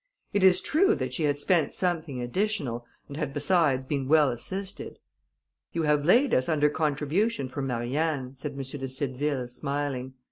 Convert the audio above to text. It is true she had spent something additional, and had besides been well assisted. "You have laid us under contribution for Marianne," said M. de Cideville, smiling.